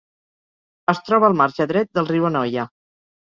Es troba al marge dret del riu Anoia.